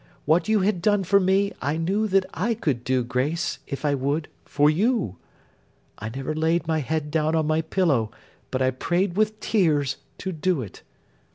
What you had done for me, I knew that I could do, Grace, if I would, for you. I never laid my head down on my pillow, but I prayed with tears to do it.